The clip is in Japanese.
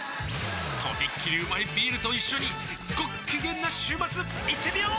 とびっきりうまいビールと一緒にごっきげんな週末いってみよー！